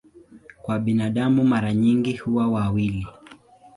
Kwa binadamu mara nyingi huwa wawili.